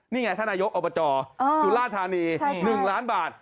นี่ไงท่านนายกอบจสุราธานี๑ล้านบาท